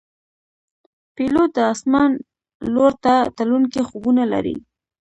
پیلوټ د آسمان لور ته تلونکي خوبونه لري.